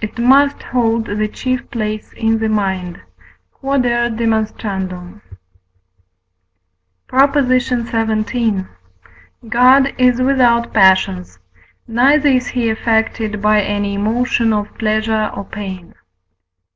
it must hold the chief place in the mind. Q.E.D. PROP. XVII. God is without passions, neither is he affected by any emotion of pleasure or pain.